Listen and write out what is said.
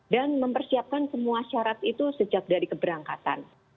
dan mempersiapkan semua syarat itu sejak dari keberangkatan